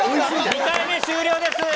２回目終了です。